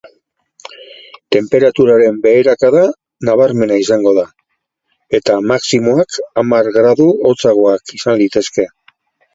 Tenperaturaren beherakada nabarmena izango da, eta maximoak hamar gradu hotzagoak izan litezke.